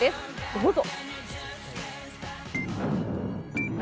どうぞ！